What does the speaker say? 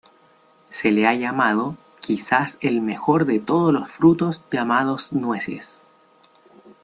Se le ha llamado "quizás el mejor de todos los frutos llamados nueces.